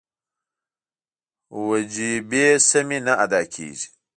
وجیبې سمې نه ادا کېږي.